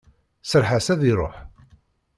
Serreḥ-as ad iruḥ!